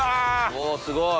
おすごい。